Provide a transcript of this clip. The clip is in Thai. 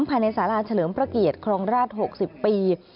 ภายในสาราเฉลิมพระเกียรติครองราช๖๐ปี